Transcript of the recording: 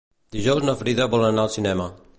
Dijous na Frida vol anar al cinema.